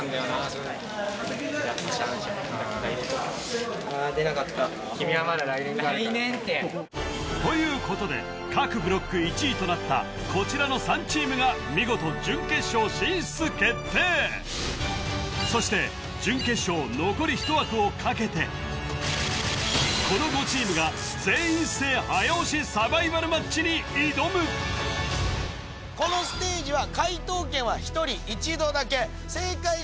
正直ああ出なかったということで各ブロック１位となったこちらの３チームが見事準決勝進出決定そして準決勝残り１枠をかけてこの５チームが全員一斉早押しサバイバルマッチに挑む厳しいここはねなかなか難しいですよ